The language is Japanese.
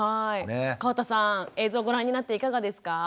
川田さん映像をご覧になっていかがですか？